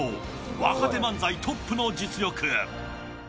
若手漫才トップの実力。